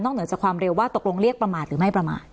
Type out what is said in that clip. เหนือจากความเร็วว่าตกลงเรียกประมาทหรือไม่ประมาท